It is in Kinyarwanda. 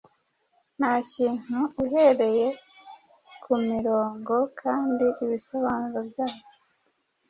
nta kintu uhereye kumirongo kandi ibisobanuro byacu